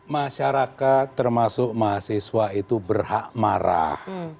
masyarakat termasuk mahasiswa itu berhak marah